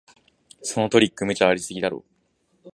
そのトリック、無茶ありすぎだろ